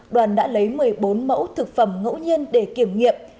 đoàn đã lấy một mươi bốn mẫu thực phẩm ngẫu nhiên để kiểm nghiệm